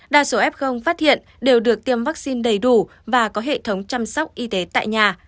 đa số f phát hiện đều được tiêm vaccine đầy đủ và có hệ thống chăm sóc y tế tại nhà